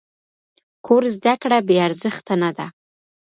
کور زده کړه بې ارزښته نه ده.